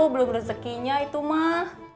belum rezekinya itu mah